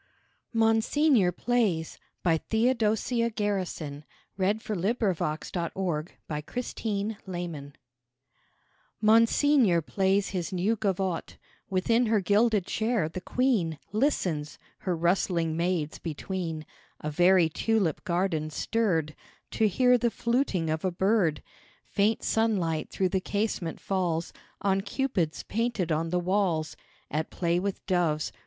e word to pray If one day I cross her path to turn her eyes away. MONSEIGNEUR PLAYS Monseigneur plays his new gavotte Within her gilded chair the Queen Listens, her rustling maids between; A very tulip garden stirred To hear the fluting of a bird; Faint sunlight through the casement falls On cupids painted on the walls At play with doves.